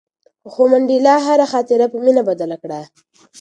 خو منډېلا هره خاطره په مینه بدله کړه.